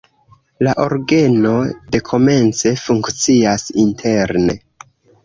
La orgeno dekomence funkcias interne.